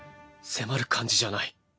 迫る感じじゃない。